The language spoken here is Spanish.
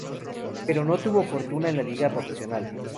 Pero no tuvo fortuna en la liga profesional.